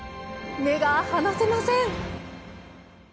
目が離せません！